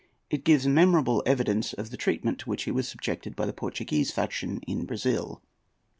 It gives memorable evidence of the treatment to which he was subjected by the Portuguese faction in Brazil.